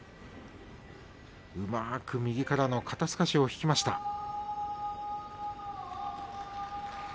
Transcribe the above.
うまく右からの肩すかしを引きました。